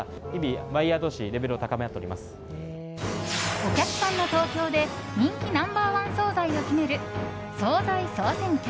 お客さんの投票で人気ナンバーワン総菜を決める総菜総選挙。